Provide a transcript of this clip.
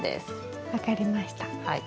分かりました。